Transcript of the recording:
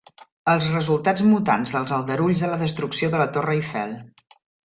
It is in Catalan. Els resultats mutants dels aldarulls de la destrucció de la Torre Eiffel.